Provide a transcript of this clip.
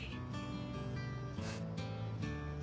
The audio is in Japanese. フッ。